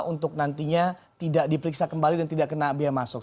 untuk nantinya tidak diperiksa kembali dan tidak kena biaya masuk